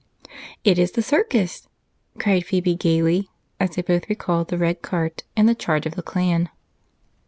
"It is the circus!" cried Phebe gaily as they both recalled the red cart and the charge of the clan.